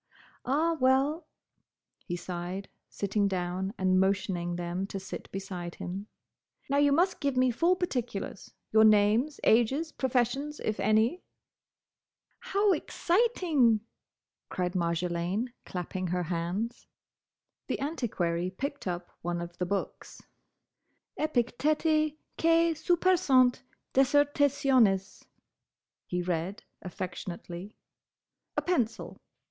"Ah, well!" he sighed, sitting down and motioning them to sit beside him. "Now you must give me full particulars: your names, ages, professions, if any—" "How exciting!" cried Marjolaine, clapping her hands. The Antiquary picked up one of the books. "'Epicteti quæ supersunt Dissertationes,'" he read, affectionately. "A pencil!